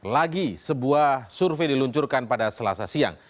lagi sebuah survei diluncurkan pada selasa siang